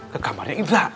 ke kamarnya indra